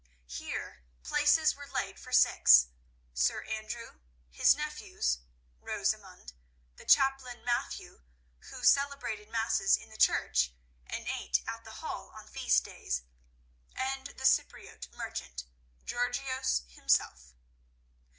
Here places were laid for six—Sir Andrew, his nephews, Rosamund, the chaplain, Matthew, who celebrated masses in the church and ate at the hall on feast days, and the Cypriote merchant, Georgios himself.